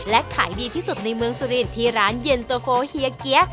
และขายดีที่สุดในเมืองสุรินที่ร้านเย็นโตโฟเฮียเกี๊ย